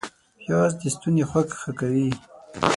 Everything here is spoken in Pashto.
پیاز د ستوني خوږ ښه کوي